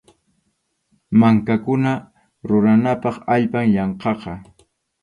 Mankakuna ruranapaq allpam llankaqa.